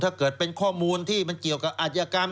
ถ้าเกิดเป็นข้อมูลที่มันเกี่ยวกับอาชญากรรม